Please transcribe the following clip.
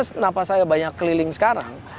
kenapa saya banyak keliling sekarang